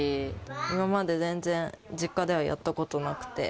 今まで全然、実家ではやったことなくて。